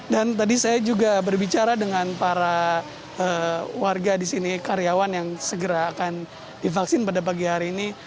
dan tadi saya juga berbicara dengan para warga di sini karyawan yang segera akan divaksin pada pagi hari ini